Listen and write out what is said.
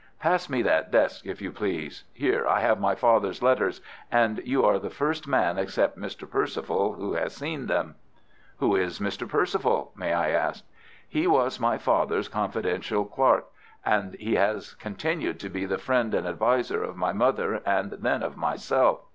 Pass me that desk, if you please. Here I have my father's letters, and you are the first man except Mr. Perceval who has seen them." "Who is Mr. Perceval, may I ask?" "He was my father's confidential clerk, and he has continued to be the friend and adviser of my mother and then of myself.